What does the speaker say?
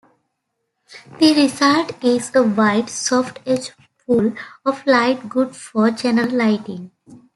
The result is a wide, soft-edged pool of light good for general lighting.